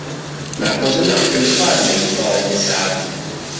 "That was enough to inspire me", Fuld said.